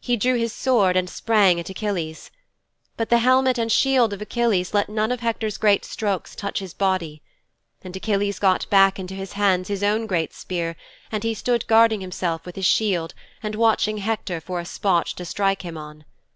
He drew his sword and sprang at Achilles. But the helmet and shield of Achilles let none of Hector's great strokes touch his body. And Achilles got back into his hands his own great spear, and he stood guarding himself with his shield and watching Hector for a spot to strike him on.